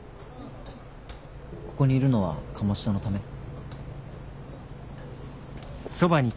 ここにいるのは鴨志田のため？